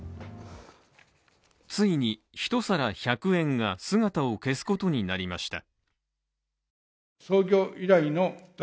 ついに１皿１００円が姿を消すことになりました。